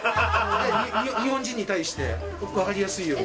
日本人に対して分かりやすいように。